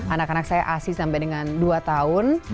anak anak saya asi sampai dengan dua tahun